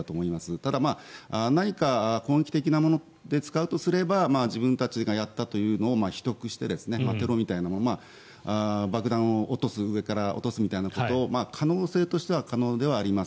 ただ、何か攻撃的なもので使うとすれば自分たちがやったというのを秘匿してテロみたいなまま爆弾を上から落とすみたいなことを可能性としては可能ではあります。